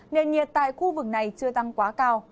nền nhiệt tại khu vực này chưa tăng quá cao